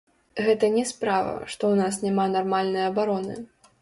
Гэта не справа, што ў нас няма нармальнай абароны.